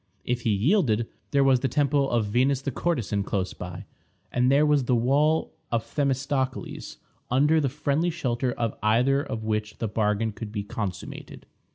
If he yielded, there was the temple of Venus the Courtesan close by, and there was the wall of Themistocles, under the friendly shelter of either of which the bargain could be consummated.